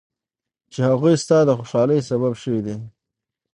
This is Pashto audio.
چې هغوی ستا د خوشحالۍ سبب شوي دي.